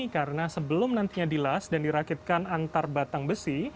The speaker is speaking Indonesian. karena sebelum nantinya dilas dan dirakitkan antar batang besi